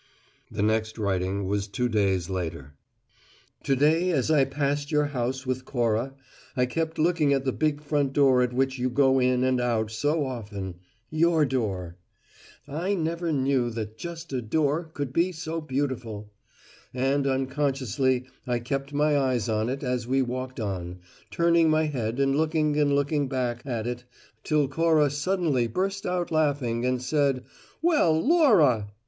The next writing was two days later: .... "To day as I passed your house with Cora, I kept looking at the big front door at which you go in and out so often your door! I never knew that just a door could look so beautiful! And unconsciously I kept my eyes on it, as we walked on, turning my head and looking and looking back at it, till Cora suddenly burst out laughing, and said: `Well, Laura!'